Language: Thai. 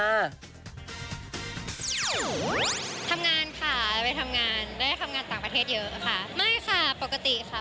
ทำงานค่ะไปทำงานได้ทำงานต่างประเทศเยอะค่ะไม่ค่ะปกติค่ะ